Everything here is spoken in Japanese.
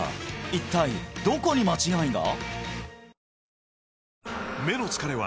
一体どこに間違いが！？